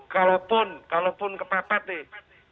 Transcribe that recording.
kalaupun kalaupun kepepet nih